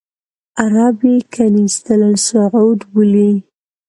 عرب یې کنیسۃ الصعود بولي.